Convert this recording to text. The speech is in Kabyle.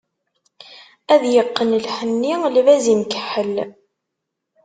Ad yeqqen lḥenni, lbaz imkeḥḥel.